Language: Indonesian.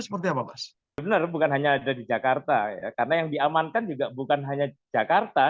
seperti apa mas benar bukan hanya ada di jakarta ya karena yang diamankan juga bukan hanya jakarta